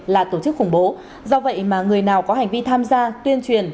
là tổ chức khủng bố do vậy mà người nào có hành vi tham gia tuyên truyền